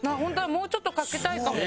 もうちょっとかけたいかも。